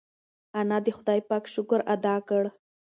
انا د خدای پاک شکر ادا کړ.